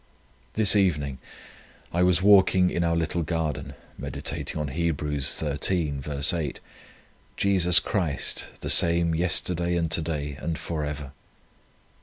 This evening I was walking in our little garden, meditating on Heb. xiii. 8, "Jesus Christ the same yesterday, and to day, and for ever."